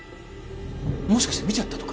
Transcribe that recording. もしかして見ちゃったとか？